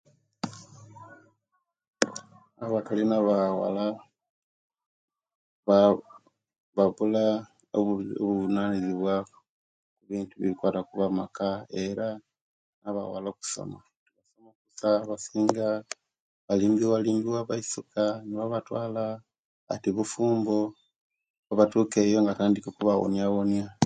Abakali na'bawala ba bafuna obuvunanyizibwa okubintu ebikwata oku byamaka era nobuvunanyizibwa abawala okusoma aa abasinga balimbiwa limbiwa nabaisuka nebabatwala ati bufuumbo owebatuka eyo nga batandika okubawonyabonya